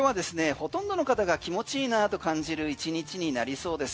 ほとんどの方が気持ちいいなと感じる１日になりそうです。